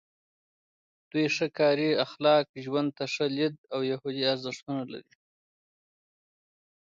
دوی ښه کاري اخلاق، ژوند ته ښه لید او یهودي ارزښتونه لري.